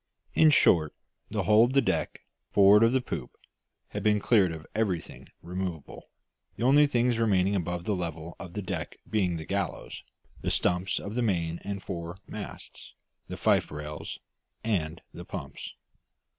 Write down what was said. In short, the whole of the deck, forward of the poop, had been cleared of everything removable, the only things remaining above the level of the deck being the gallows, the stumps of the main and fore masts, the fife rails, and the pumps.